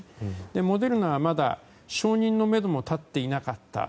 モデルナはまだ承認のめども立っていなかった。